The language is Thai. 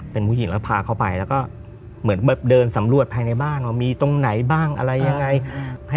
เป็นผู้หญิงแล้วพาเขาไปแล้วก็เหมือนแบบเดินสำรวจภายในบ้านว่ามีตรงไหนบ้างอะไรยังไง